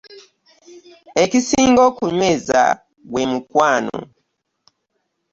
Ekisinga okunyweeza gwe mukwano.